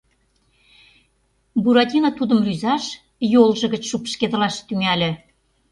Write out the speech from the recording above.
Буратино тудым рӱзаш, йолжо гыч шупшкедылаш тӱҥале.